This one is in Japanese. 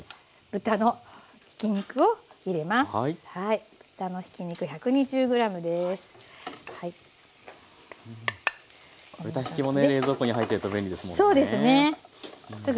豚ひきもね冷蔵庫に入ってると便利ですもんね。